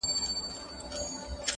وحشت د انسان دننه پټ دی,